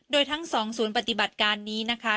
โดยทั้ง๒ศูนย์ปฏิบัติการนี้นะคะ